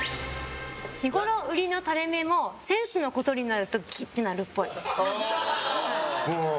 日ごろ売りのたれ目も選手のことになるとキッてなるっぽい。